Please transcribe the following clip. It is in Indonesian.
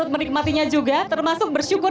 menikmatinya juga termasuk bersyukur